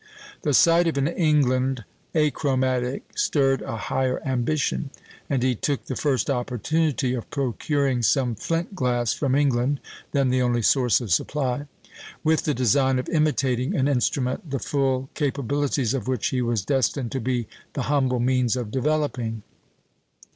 The sight of an England achromatic stirred a higher ambition, and he took the first opportunity of procuring some flint glass from England (then the only source of supply), with the design of imitating an instrument the full capabilities of which he was destined to be the humble means of developing.